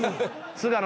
菅野？